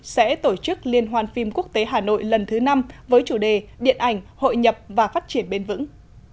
sẽ tổ chức liên hoàn phim quốc tế hà nội lần thứ năm với chủ đề điện ảnh hội nhập và phát triển bền vững